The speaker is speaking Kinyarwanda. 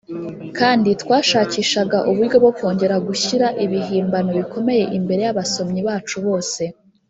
kandi twashakishaga uburyo bwo kongera gushyira ibihimbano bikomeye imbere yabasomyi bacu bose.